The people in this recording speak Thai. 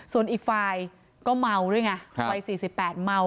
ส่วนอีกฝ่ายก็เมาด้วยไงครับวัยสี่สิบแปดเมา